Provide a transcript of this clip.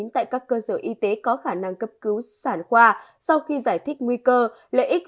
tại các cơ sở y tế có khả năng cấp cứu sản khoa sau khi giải thích nguy cơ lợi ích